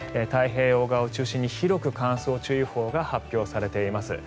太平洋側を中心に広く乾燥注意報が発表されています。